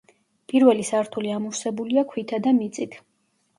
პირველი სართული ამოვსებულია ქვითა და მიწით.